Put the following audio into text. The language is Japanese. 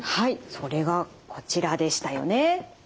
それがこちらでしたよね。